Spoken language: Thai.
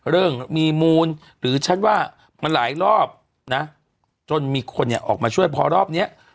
เรื่องมีมูลหรือฉันว่ามันหลายรอบจนมีคนออกมาช่วยพอรอบนี้